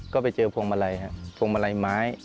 ก็ไปเจอพวงมาลัยครับพวงมาลัยไม้